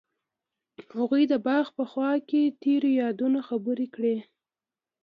هغوی د باغ په خوا کې تیرو یادونو خبرې کړې.